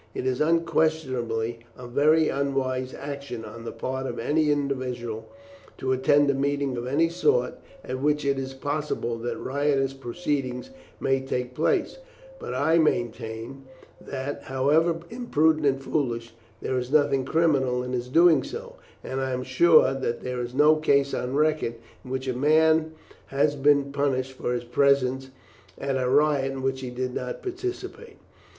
It is unquestionably a very unwise action on the part of any individual to attend a meeting of any sort at which it is possible that riotous proceedings may take place, but I maintain that, however imprudent and foolish, there is nothing criminal in his doing so, and I am sure that there is no case on record in which a man has been punished for his presence at a riot in which he did not participate.